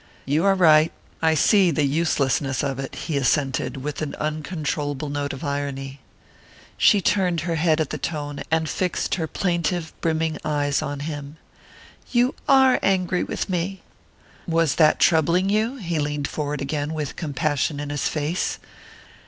"You are right. I see the uselessness of it," he assented, with an uncontrollable note of irony. She turned her head at the tone, and fixed her plaintive brimming eyes on him. "You are angry with me!" "Was that troubling you?" He leaned forward again, with compassion in his face.